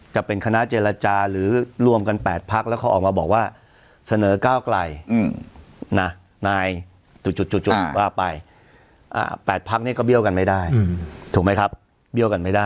จะเป็นคณะเจรจาหรือ